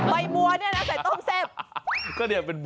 ใบบัวเนี่ยนะใส่ต้มแซ่บ